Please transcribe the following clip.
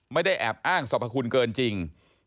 ไม่ได้แอบอ้างสรรพคุณเกินจริง